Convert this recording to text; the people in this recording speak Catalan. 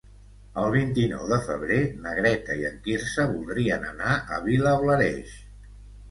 El vint-i-nou de febrer na Greta i en Quirze voldrien anar a Vilablareix.